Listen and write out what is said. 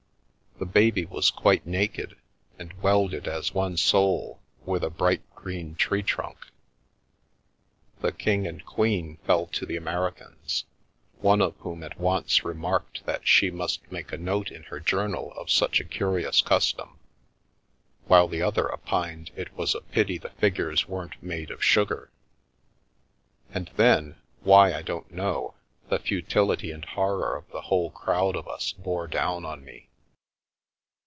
The baby was quite naked, and welded as one soul with a bright green tree trunk. The King and Queen fell to the Americans, one of whom at once remarked that she must make a note in her journal of such a curious custom, while the other opined it was a pity the figures weren't made of sugar. And then, why I don't know, the futility and horror of the whole crowd of us bore down on me.